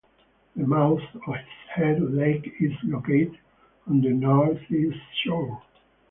The mouth of this head lake is located on the northeast shore.